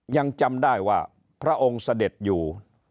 ยังจำได้ว่าพระองค์เสด็จอยู่